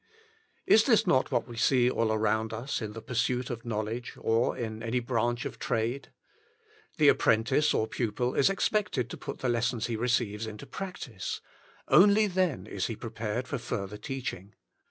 Is this not what we see all around us in the pursuit of knowledge, or in any branch of trade? The apprentice or pupil is expected to put the lessons he receives into practice; only then is he prepared for further teaching.